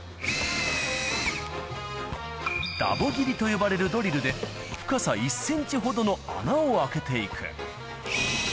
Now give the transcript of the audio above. ダボぎりと呼ばれるドリルで、深さ１センチほどの穴を開けていく。